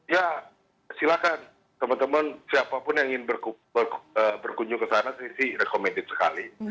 ya silahkan teman teman siapapun yang ingin berkunjung kesana sih recommended sekali